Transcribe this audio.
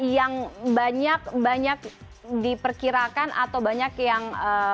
yang banyak banyak diperkirakan atau banyak yang